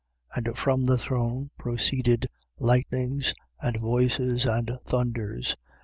4:5. And from the throne proceeded lightnings and voices and thunders.